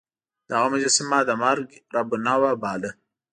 دغه مجسمه د مرګ رب النوع باله.